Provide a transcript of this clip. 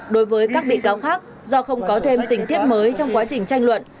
đối với các bị cáo khác do không có thêm tình tiết mới trong quá trình tranh luận